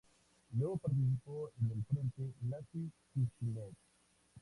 Luego participó en el Frente Iasi-Kishinev.